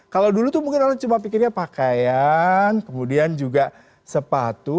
kalau dulu tuh mungkin orang cuma pikirnya pakaian kemudian juga sepatu